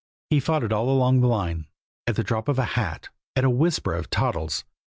He fought it all along the line at the drop of the hat at a whisper of "Toddles."